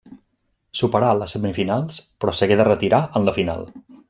Superà les semifinals, però s'hagué de retirar en la final.